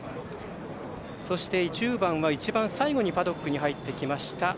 １０番は一番最後にパドックに入ってきました